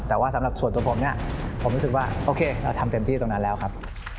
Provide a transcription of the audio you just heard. แต่ว่าสำหรับส่วนตัวผมเนี่ยผมรู้สึกว่าโอเคเราทำเต็มที่ตรงนั้นแล้วครับ